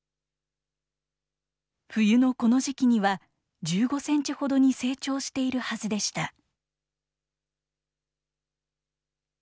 冬のこの時期には、１５センチほどに成長しているはずでした。